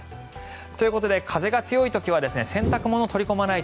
ということで風が強い時は洗濯物を取り込まないと。